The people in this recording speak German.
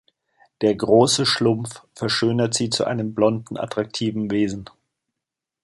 Der Große Schlumpf verschönert sie zu einem blonden, attraktiven Wesen.